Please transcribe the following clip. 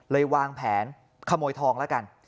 วางแผนขโมยทองแล้วกัน